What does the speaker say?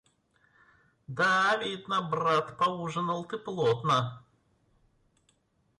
Да, видно, брат, поужинал ты плотно.